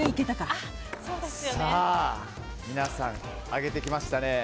皆さん、上げてきましたね。